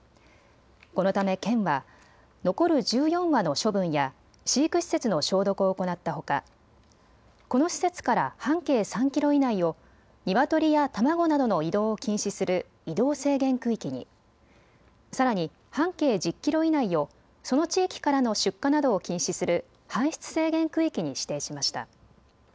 このため県は残る１４羽の処分や飼育施設の消毒を行ったほか、この施設から半径３キロ以内をニワトリや卵などの移動を禁止する移動制限区域に、さらに半径１０キロ以内をその地域からの出荷などを禁止する搬出制限区域に指定しました。